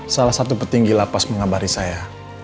salah satu petinggi lapas mengabari saya